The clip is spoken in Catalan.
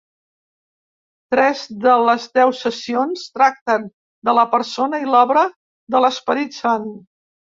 Tres de les deu sessions tracten de la persona i obra de l'Esperit Sant.